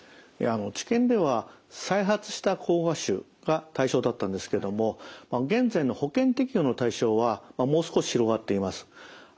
治験では再発した膠芽腫が対象だったんですけども現在の保険適用の対象はもう少し広がっています。